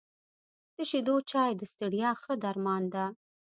د شيدو چای د ستړیا ښه درمان ده .